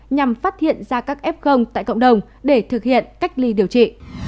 nhằm phát hiện ra các f tại cộng đồng để thực hiện cách ly điều trị